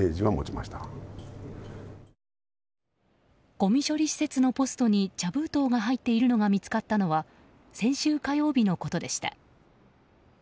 ごみ処理施設のポストに茶封筒が入っているのが見つかったのは先週火曜日のことでした。